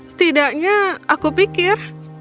setidaknya aku pikir